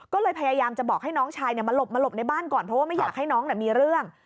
ก็เลยพยายามจะบอกให้น้องชายมาหลบมาหลบในบ้านก่อนเพราะว่าไม่อยากให้น้องมีเรื่อง